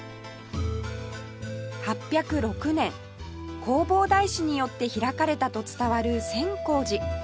８０６年弘法大師によって開かれたと伝わる千光寺